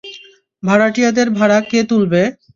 ভাড়াটিয়াদের ভাড়া, কে তুলবে?